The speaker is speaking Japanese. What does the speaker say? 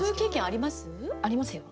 ありますよ。